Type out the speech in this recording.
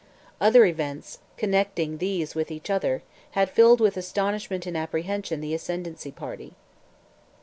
Other events, connecting these with each other, had filled with astonishment and apprehension the ascendancy party.